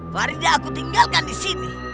mariti aku tinggalkan di sini